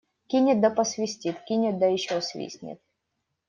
Кинет да посвистит, кинет да еще свистнет.